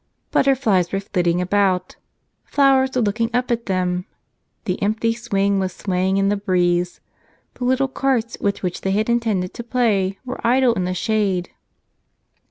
Butterflies were flitting about; flowers were looking up at them; the empty swing was swaying in the breeze ; the little carts with which they had intended to play were idle in the shade.